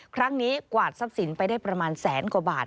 กวาดทรัพย์สินไปได้ประมาณแสนกว่าบาท